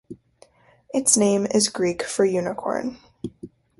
Its name is Greek for unicorn.